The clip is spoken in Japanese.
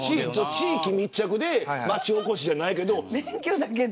地域密着で町おこしじゃないけど。